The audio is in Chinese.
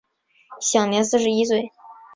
享年四十一岁。